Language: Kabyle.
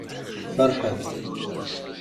Feṛḥet!